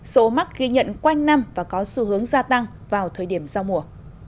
số mắc ghi nhận quanh năm và có xu hướng gia tăng vào thời điểm giao mùa